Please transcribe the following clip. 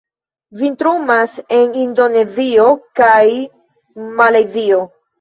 Vintrumas en Indonezio kaj Malajzio.